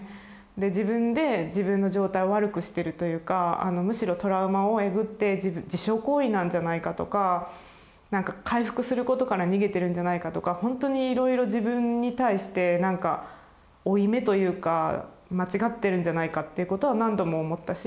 自分で自分の状態を悪くしてるというかむしろトラウマをえぐって自傷行為なんじゃないかとかなんか回復することから逃げてるんじゃないかとかほんとにいろいろ自分に対してなんか負い目というか間違ってるんじゃないかっていうことは何度も思ったし。